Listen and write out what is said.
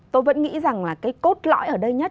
tôi vẫn nghĩ rằng là cái cốt lõi ở đây nhất